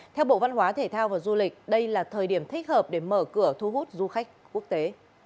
theo bộ văn hóa thể thao và du lịch đây là thời điểm thích hợp để mở cửa thu hút du khách quốc tế